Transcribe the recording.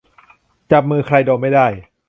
จับมือใครดมไม่ได้